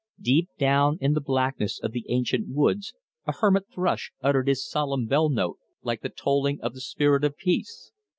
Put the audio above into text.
Down deep in the blackness of the ancient woods a hermit thrush uttered his solemn bell note, like the tolling of the spirit of peace.